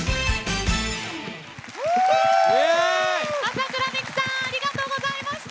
麻倉未稀さんありがとうございました。